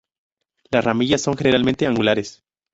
Las ramillas son generalmente angulares.